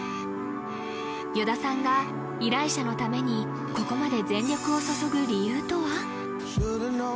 依田さんが依頼者のためにここまで全力を注ぐ理由とは？